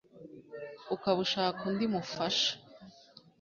ukaba ushaka undi mufasha